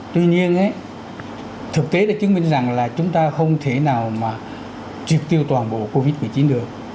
tuy nhiên thực tế đã chứng minh rằng là chúng ta không thể nào mà triệt tiêu toàn bộ covid một mươi chín được